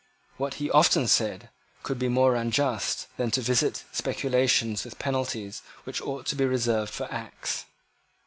What, he often said, could be more unjust, than to visit speculations with penalties which ought to be reserved for acts?